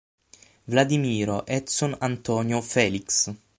Vladimiro Etson António Félix